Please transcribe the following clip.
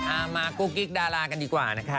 เอามากุ๊กกิ๊กดารากันดีกว่านะคะ